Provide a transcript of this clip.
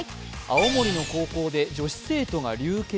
青森の高校で女子高生が流血。